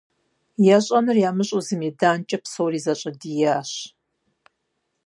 ЯщӀэнур ямыщӀэу зы меданкӀэ псори зэщӀэдиящ.